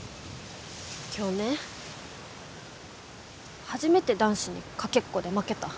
今日ね初めて男子にかけっこで負けた。